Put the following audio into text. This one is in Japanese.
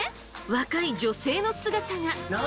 若い女性の姿が。